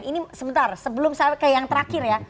ini sebentar sebelum saya ke yang terakhir ya